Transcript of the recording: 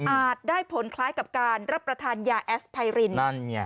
อาจได้ผลคล้ายกับการรับประทานยาแอสไพริน